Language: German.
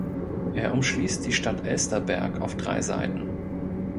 Er umschließt die Stadt Elsterberg auf drei Seiten.